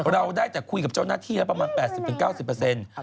เราได้แต่คุยกับเจ้าหน้าที่แล้วประมาณ๘๐๙๐เปอร์เซ็นต์